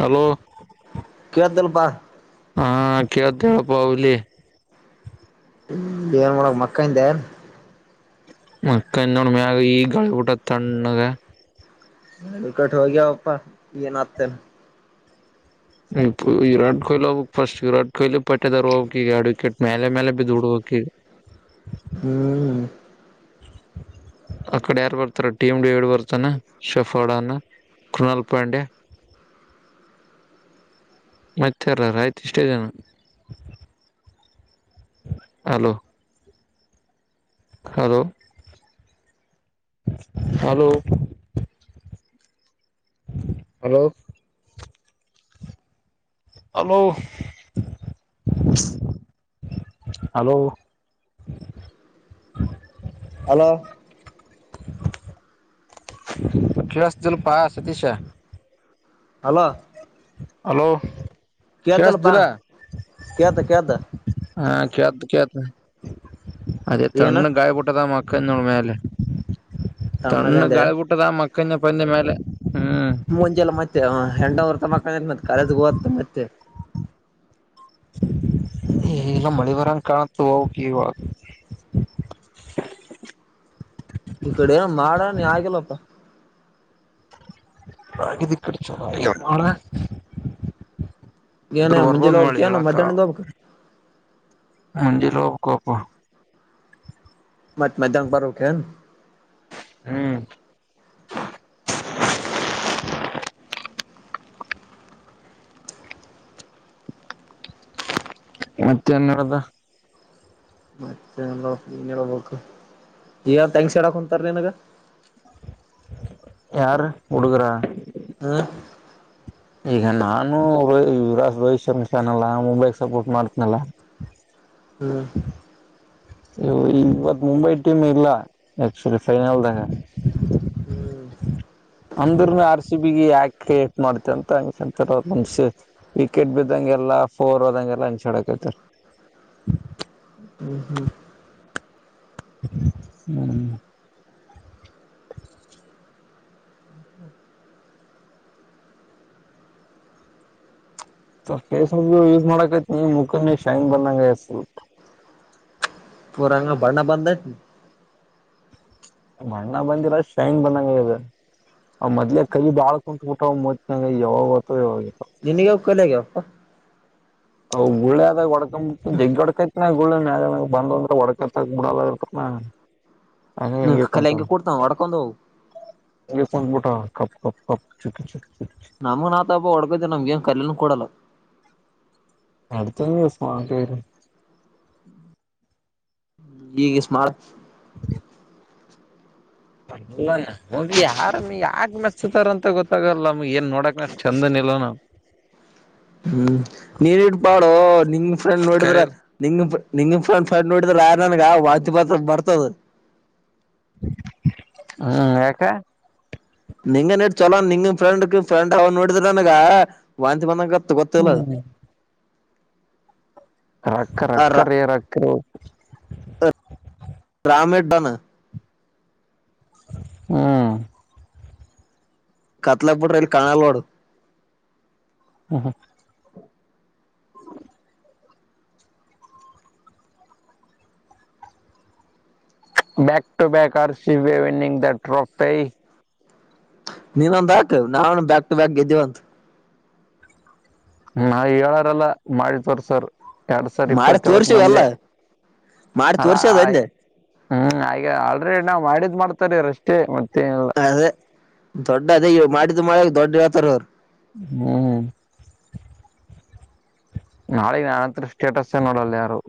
Hello ಕೇಳ್ತಲ್ಪಾ ಹಾ ಕೇಳುತ್ತ ಹೇಳ ಬೌಲಿ ಏನ್ ಮಾಡನಾ ಮಕ್ಕಧೆ. ಮಕ್ಕಂದೋ ಮ್ಯಾಗ ಈ ಗಾಳಿಬಊಟ ತಣ್ಣಗೆ ವಿಕಟ್ ಹೋಗ್ಯಾವಪ್ಪಾ ಏನ ಆತನೆ ವಿರಟ್ ಕ ಕೊೋಹಲಿ ಅಮ ಫಸ್ಟ್ ವಿರಾಟ್ ಕಲಿ ಪಟ್ಟೆ ತರ ಹೋಗಿ ಈ ಅಡಿಕೆಟ್ ಮೇಲೆ ಮೇಲೆ ಬಿ ದುಡ್ಡು ಹೋಗಕ ಹ್ಮ್ ಅ ಕಡೆ ಯಾರು ಬರ್ತಾರ ಟೀಮ ಡೇವಿಡ್ ಬರ್ತಾನ ಶಫಾಡಾನ ಕೃಣಲ್ ಪಾಂಡ್ಯ ಮತ್ತರ ಆಯ್ತು ಇಷ್ಟೇ ಜನ hello hello hello hello hello hello hello ಕೆಳಸ್ತಿಲೣ ಪಾ ಸತೀಶ ಹಲೋ ಹಲೋ ಕೆ್ದಲ್ಲ ಬಾ ಕೇಳಸ್ತಿಲ್ಲ ಕೆತ್ತ ಕೆ್ದ [unintelligible] ಹಾ ಕತ ಕತ [inaudible] ಅದೇ ಏನ ತಣ್ಣು ಗಾಯ ಪಟ್ಟದ ಮಾ ಉಳಮಲ್ಲ ತಣ್ಣ ತಣ್ಣಗಂದೆ ಗಾಳಿಬುಟ್ಟದ ಮಕ್ಕ ಪಂದ ಮ ಅ ಮುಂಜೆಲ್ಲ ಮತ್ತೆ ಹೆಟ ಹೊರ್ತಮ್ಮ ಮತ್ತ ಕಾಲಜ ಗತ ಮತ್ತೆ ಈಲ್ಲ ಮಳೆ ಬರಂ ಕಾಣತ ಹ ಕವದು ಈ ಕಡೆ ಏನ ಮಾಡ ನೀ ಆಗಿಲ್ಲಪ್ಪ ಹಡ ಅವಳ [inaudible] ಏನ್ ಹೇಳು ಮುಂಜಾನೆ ಹೋಗ್ತಿಯೋ ಇಲ್ಲ ಮದ್ಯಾನಿಂದೊಗ್ಬೇಕಾ [inaudible] ಮುಂಜಾನೆ ಹೋಗ್ಬೇಕೋ ಪ ಮತ್ ಮದ್ಯಾಹ್ನಕ್ಕೆ ಬರ್ಬೆಕ್ ಏನ್ ಹ್ಮ್ [inaudible] ಮತ್ತೆನ್ನಡದ ಮತ್ತೆ ನೀನ್ಬೇಕು ಈಗ ತಂಗ ಸಡಕ್ ಹೊಂತಾರ ನನಗ ಯಾರ ಹುಡಗುರ ಹಾ ಈಗ ನಾನು ರೋಹಿ ಯರಸ್ ರೋಹಿತ್ ಶರ್ಮ ಚಾನಲ್ಲ ಮುಬೈಕ್ ಸಪೋರ್ಟ್ ಮಾಡ್ತನಲ್ಲ ಹ್ಮ್ ಇವು ಈ ಇವತ್ ಮುಂಬೈ ಟೀಮ್ ಇಲ್ಲ ಆಕ್ಚುಲಿ ಫೈನಲ್ದಾಗ ಹ್ಮ್ ಅಂದ್ರನು ಆರ್ ಸಿ ಬಿಗ ಯಾಕ ಎ ಮಾಡ್ತ ಅಂತ ಅಂಗಂತಂಗಸ ವಿಕೆಟ್ ಬಿದ್ದಂಗೆಲ್ಲಾ ಫೋರ್ದಂಗೆಲ್ಲ ಹಂಚ್ಡಕತರ್ [inaudible] ಹ್ಮ್ ಹ್ಮ್ ಹ್ಮ್ ಹ್ಮ ಹ್ಮ [inaudible] ಫೇಸ್ ಯೂಸ್ ಮಾಡಕೈತ್ ನೀ ಮುಖನ ಶೈನ್ ಬಂದಂಗ ಪುರಂಗ ಬರ್ಣ ಬಂದ [unintelligible] ಮಣ್ಣ ಬಂದಿರ ಶೈನ್ ಬಂದಂಗ ಅದ ಅವ ಮೊದ್ಲೆೇ ಕಲಿ ಬಾಳ್ ಕುಂತಬಟ್ಟವ ಮದನಂಗ ಯಾವಾಗ ಗತ್ತು ಯಾವಾಗ ನೇನಗೆ ಹಕ್ಕಲ್ಲಗ ಹ ಉಳ್ಳೆ ಆದದಾಗ ಒಡ್ಕ ಜಗ್ಗಿ ಒಡಡ್ಕೈತ್ನ ಳ್ಳನ್ ಬಂದಂದೆ ಒ ಹೊಡಕತ ಬಿಡಲ್ಲ ಇರ್ತ ನ ಹ್ಮ ಕಲ್ಂಗ ಕೊಡ್ತ ಒಡಕ್ಕೊಂತವು ಒಂದು ಮೋಟ ಕ ಕಪ್ ಕಪ್ ಚುಕಿ ಚ ನಮ್ಮು ನಾ ತ ಅಬ್ ಒ ಆತ್ತ ನಮ್ಗೆ ನ್ ಕಲ್ನ ಕೊಡಲ್ಲ ಅಡ್ತ ದಸ ಆರು ಈಗ ಸ್ಮಾರ ಲ್ಲ [unintelligible] ಹೋಗಿ ಯಾರ ಯಾಕ ಮೆಚ್ಚತಾರಂತ ಗೊತ್ತಾಗಲ್ಲ ಏನ್ ನೋಡಕ್ ನ ಚಂದ ಇಲ್ ನಾವು ಹ್ಮ್ ನೀನ್ ಇಡ್ಬಾಡ ನಿಂಗ್ ಫ್ರೆಂಡ್ ನೋಡಿದ್ರ ಕರೆ ನಿಂಗ್ ನಿಂಗ ಫನ್ ಫಂಡ ನೋಡಿದ್ರ ಯ ನನ್ಗ ವಾಂತಿ ಬರ್ತದ ಹ್ಮ್ ಯಾಕ ನಿಂಗ ನಟ್ ಚಲೋ ನಿಂಗ ಫ್ರೆಂಡ್ಗ್ ಫ್ರೆಂಡ್ ಅವ್ನ ನೋಡಿದ್ರ ವಂತಿ ಬಂದನಾಗೈತೆ ಮತ್ತ್ ಗೊತ್ತಿಲ್ಲ್ ಹ್ಮ್ [unintelligible] ರಕ್ಕ ರಕ್ಕ ರೇ ರಕ್ಕ [unintelligible] ರಾಮೇ ಡಣ [unintelligible] ಹ್ಮ್ ಕತ್ಲಳಿಬಿಟ್ರಾ ಎಲ್ಲಿ ಕಾಣಾಲ್ನೋಡು ಹ್ಮ್ ಹ್ಮ back to back R C B winning the trophy ನೀನೊಂದಾಕ್ ನಾನು ಬ್ಯಾಕ್ ಟು ಬ್ಯಾಕ್ ಗೆದ್ದುವ ಅಂತ ನಾ ಹೇಳಾರಲ್ಲ ಮಾಡಿ ತೋರ್ಸೋವ್ರು ಮಾಡಿ ತೋರ್ಸಿವಲ್ಲ ಮಾಡಿ ಅದ ತೋರ್ಸದಂದೆ ಹ್ಮ್ ಹಾಗ ಆಲ್ರೆಡಿ ನಾವ್ ಮಾಡಿದ್ ಮಾಡ್ತಾರ ಅಷ್ಟೇ ಮತ್ತೇನಿಲ್ಲ ಅದೇ ದೊಡ್ಡ ಅದ ಮಾಡಡಿ ತ ಮಾಡ ದೊಡ್ಡ ವ್ಯಾತಾರ ಅವ [inaudible] ಹ್ಮ್ ನಾಳೆ ನಾನತ್ರ ಸ್ಟೇಟಸ್ ನೋಡಲ್ಲ ಯಾರು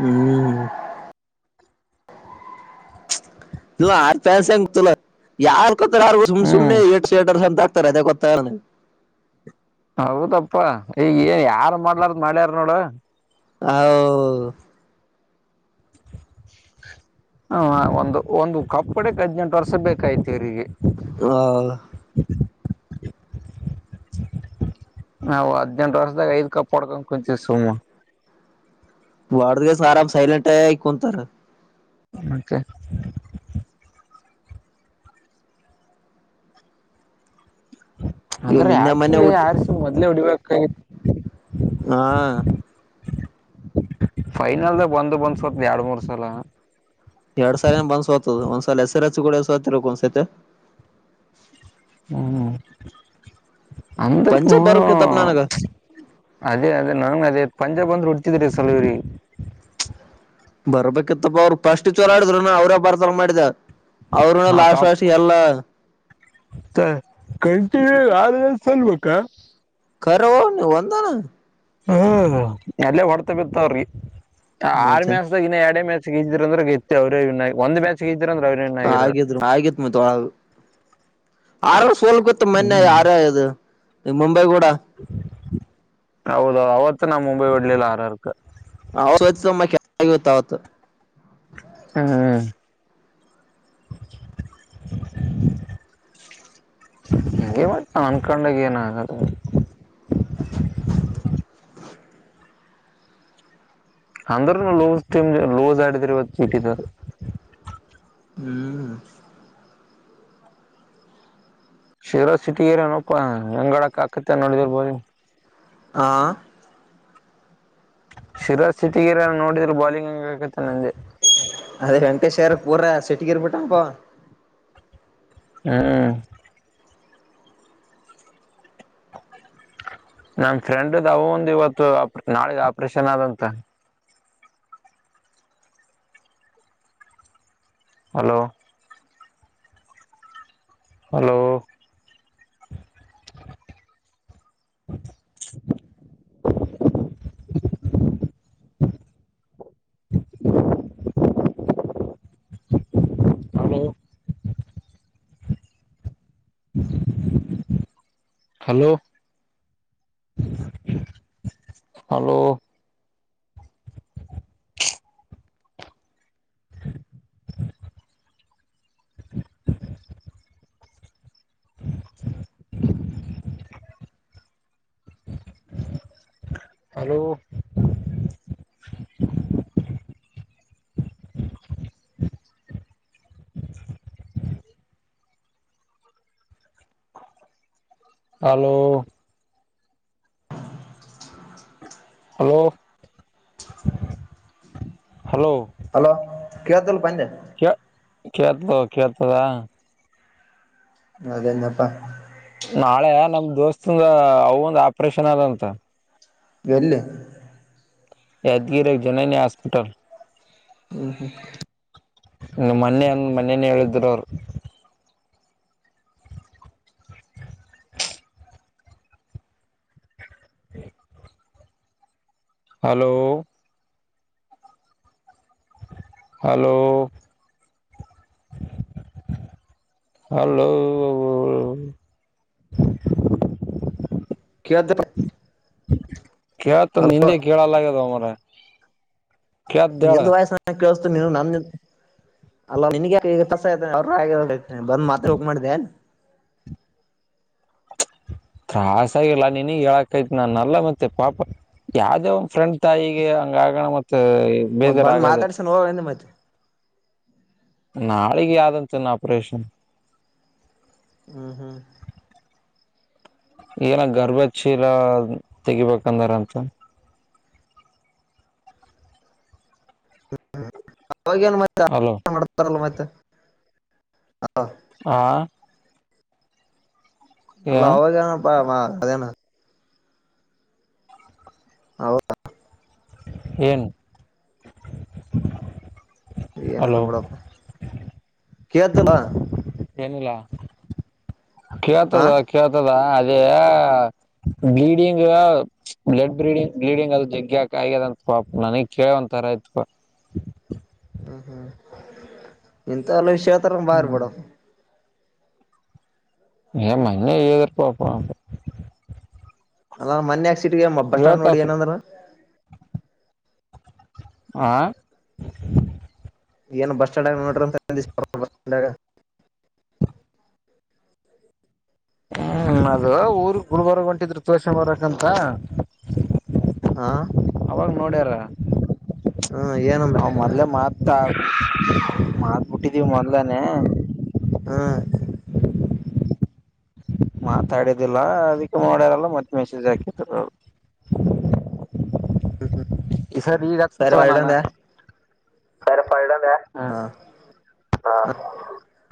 ಹ್ಮ್ ನೀ ಆ ಪ್ಯಾನ್ಸ ಮುತಲ್ಲ ಯಾರ [unintelligible] ಸು ಸುನೆ ಹ್ಮ್ ಎ ಸಂತ [inaudible] [unintelligible] ಕೊತ್ತರ ಅದೇ ಕೊತ್ತಾರ ಹೌದಪ್ಪಾ ಈಗ ಏನ್ ಯಾರು ಮಾಡ್ಲಾರ್ದ ಮಾಡ್ಯಾರ ನೋಡ ಹೌ ಹ ಒಂದು ಒಂದು ಕಪ್ ಹೊಡಿಯೋಕ್ಕೆ ಹದಿನೆಂಟ್ಟು ವರ್ಷ ಬೇಕಾಯ್ತಿವ್ರರಿಗೆ ಹಾ [unintelligible] ನಾವು ಹದ್ನೆಂಟು ವರ್ಷದಾಗ ಐದ್ ಕಪ್ ಹೊಡ್ಕೊಂಡ್ ಕುಂತೀವಿ ಸುಮ್ನ್ ವಡ್ದಿಗೆಸ ಆರಾಮ ಸೈಲೆಂಟ್ ಆಕೊಂಡಂತ ಮತ್ತೆ ಇವ್ ಅಂದ್ರೆ ನಿನ್ನೆ ಮೊನ್ನೆ ಆಕ್ಚುಲಿ ಊಟ ಆರ್ಸ ಮೊದ್ಲೆೇ ಉಡಿಬೇಕು ಕೈ [unintelligible] ಹಾ ಫೈನಲ್ ಬಂದು ಬಂದ ಸ್ವತ್ ಎರಡ್ ಮೂರ್ ಸಲ ಎರಡ್ ಸಾಲ ಏ ಬಂದ್ಸೋತದ ಒಂದ್ಸಲ್ ಹೆಸರು ಹೆಚ್ಚ ಕೂಡಸತಿರಬೇಕಕ್ ಒಂದ್ಸತೆ ಹ್ಮ್ [inaudible] ಅಂದರ್ಕ ಪಂಜಾಬ್ ಬರ್ಬೇಕಿತ್ತಪ್ಪ ನನಗ [unintelligible] ಅದೇ ಅದ ನಾನು ಅದೇ ಪಂಜಾಬ್ ಬಂದರೆ ಹೊಡಿತ್ತ ಇದ್ರೂ ಸಲ ಇವರಿಗೆ ಬರ್ಬೇಕಿತ್ತಪ್ಪ ಅವ್ರುಫಸ್ಟ್ ಚೋಲಾಡಿದ್ರು ನ ಅವ್ರೇ ಬರ್ತಾರ ಮಾಡಿದ ಅವ್ರನ ಲಾಸ್ಟ್ ಲಾಸ್ಟ್ ಎಲ್ಲ ಮತ್ತ್ ಕಂಟಿನ್ಯೂ ಆರ್ ಏಳ್ ಸೋಲ್ಬೇಕಾ ಕರೋ ನೀವಂದನಾ ಹ್ಮ ಎಲ್ಲ ಹೊಡ್ತಾ ಬಿತ್ತಾವ್ರಿ ಆರು ಮತ್ತೆ ಮೆಣಸಾಗ ಎರಡ ಮೇಸ ಗಿದ್ರ ಅವ್ರೆ ಗೆತ್ತ ಅವ್ರ ಒಂದು ಮ್ಯಾಚ್ ಅಂದ್ರೆ ಅವ್ರೇ ವಿನ್ ಆಗಿರೋರು ಹಾಗಿದ್ ಆಗಿತ್ ಮತ್ತೊಳ ಆರ ಸೋಲ್ [unintelligible] ಗೊತ್ತ ಮನ್ನೆ ಯಾರ ಇದು ಮುಂಬೈ ಕೂಡ [unintelligible] ಹೌದ ಅವತ್ತು ನಾ ಮುಂಬೈ ಬರ್ಲಿ ಆರ್ ಆರ್ ಹಮ್ಮ [unintelligible] ಆವತ್ತಾವತ್ತು ಹ್ಮ [unintelligible] ಅಂಗೇ ಮತ್ತ್ ನಾವ್ ಅನ್ಕೊಂಡೆ ಏನ್ ಆಗಲ್ಲ ಅಂದ್ರನು ಲೂಸ್ ಟೀಂ ಲೂಸ್ ಆಡಿದ್ರ ಇವತ್ತು ಚೀಟಿದಾರ ಹ್ಮ್ ಶಿರೋ ಸಿಟಿ ಏರಿನಪ್ಪಾ ಹೆಂಗಡಕ್ ಆಕತ್ತ ನೋಡಿದಿರ್ಬೋದು ಆ [inaudible] ಅದೇ ವೆಂಕೇಶ್ ಯ್ರ ಪೂರ ಸಿಟ್ಟ್ಗಿರ್ಬಿಟ್ಟಪ್ಪ ಹಾ ನಮ ಫ್ರೆಂಡ್ದ ಅವ ಒಂದು ಇವತ್ತು ನಾಳೆ ಆಪ್ರೇಷನ್ ಆದಂತ ಹಲೋ ಹಲೋ [inaudible] ಹೋ [unintelligible] ಹಲೋ ಹಲೋ ಹ ಹ್ಮ [inaudible] [inaudible] hello hello hello hello hello ಕೇಳ್ದಲ್ ಪಂದೇ ಕೆ ಕೇತ ಕೇತದಾ ಅದನಪ್ಪಾ ನಾಳೆ ನಮ ದೋಸ್ತಂದ ಅವ ಒಂದ ಆಪರೇಷನ್ ಅದಂತ ಎಲ್ಲಿ ಯಾದಗಿರಿಗ್ ಜನನ ಹಾಸ್ಪಿಟಲ್ ಹ್ಮ ಹ್ಮ್ ನಿ ಮೊನ್ನೆ ಹಂ ಮೋನೆನ್ನೆ ಹೇಳಿದ್ರು ಅವ್ರು ಹ್ಮ ಹಲೋ ಹಲೋ ಹಲೋ ಕೇಳ್ದ ಕೇಳ ತ ಅಲ ನಿಂದೆ ಕೇಳಾ ಲಾಗೆದು ಮಾರಾಯ ನಿಲ್ದ ವಯ ಸ [unintelligible] ಕೇಳತು ನೀ ನ ಅ [unintelligible] ನಿನ್ಸ ಅವ್ರ [unintelligible] ಬಂದ್ ಮಾತ್ ಹೋಗ ಮಾಡಿದೆೆ ತ್ರಾಸ ಆಗಿಲ್ಲ ನಿನಗ್ ಹೇಳಕ್ತತಿ ನಾನ ಅಲ್ಲ ಮತ್ತೆ ಪಾಪ ಯಾವ್ದೇ ಒಂದ ಫ್ರೆಂಡ್ ತಾಯಿಗೆ ಹಂಗ ಆಗಣ ಮತ್ತ ಮತ್ ಬೇಜರ್ ಬಂದ್ ಆಗದೆ ಮಾತಾಡ್ಸನ್ ಹೋಗಂದ ಮತ್ತೆ ನಾಳಿಗೆ ಯಾವ್ದಂತನ್ ಆಪರೇಷನ್ ಹ್ಮ ಹ್ಮ ಏನ ಗರ್ಭಶೀಲ ತೆಗಿಬೇಕಂದಾರಂತ ಅವೇನ್ ಮತ್ತೆ ಅಲೋ [unintelligible] ಮಾಡ್ತಾರಲ್ಲ ಮತ್ತೆ ಹಾ ಅಲ್ಲ ಅವಾಗ [unintelligible] ಹದಣ ಹೌ ಎನ್ ಈ ಎನಲ್ಲ ಬಡತ ಕತಲ್ಲ ಏನಿಲ್ಲ ಹಾ ಕೇಳ್ತದ ಕೇಳ್ತದ ಅ ಬ್ಲೀಡಿಂಗ್ ಬ್ಲಡ್ ಬ್ಲೀಡಿಂಗ್ ಬ್ಲೀಡಿಂಗ್ ಅದು ಜಗ್ಗ್ಯಾಕ ಆಗ್ಯದಂತ ಪಾಪ ನನಗ್ ಕೇಳ ಒಂಥರ ಆಯತ್ಪ ಹ್ಮ ಹ್ಮ್ ಎಂತಲ ವಿಷ್ಯ [unintelligible] [unintelligible] ರ ಹ್ಮ್ ಬಾರಪಡ ಮಂ ದೆರ್ಪ ಅಲ್ಲ ಮನ್ [unintelligible] ಸಿಟ್ಗೆ ಬಸ್ ಸ್ಟ್ಯಾಂಡ್ ನೋಡಿ ಆಫರ್ ಏನಂದ್ರ ಆ ಏನ್ ಬಸ್ ಸ್ಟ್ಯಾಂಡ್ಗ ನೋಡ್ರ [unintelligible] [unintelligible] ಹ್ಮ್ ಅದು ಊರ್ ಗುಲ್ಬರ್ಗ ಹೊಂಟಿದ್ರು ತೋಷ ಬರಕಂತ ಆ ಅವಾಗ ನೋಡ್ಯಾರ ಹ ಏನಂದ್ರ ಮೊದ್ಲೆ ಮತಾ ಮಾಡತ್ಬಿಟ್ಟಿ ಇದವು ಮಂದಾನೆ ಹಾ ಮಾತಾಡಿದಿಲ್ಲ ಅದಕ್ಕೆ ಮಾಡೋಯಾರಲ್ಲ ಮತ್ತೆ ಮೆಸಜ್ ಹಾಕಿದಾರ ಅವರು ಹ್ಮ್ ಹ್ಮ್ ಸರಿ ಬೈಡಂತ ಸರೆಫಡ ಹಾ [unintelligible]